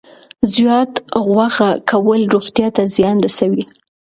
زیات غوښه کول روغتیا ته زیان رسوي.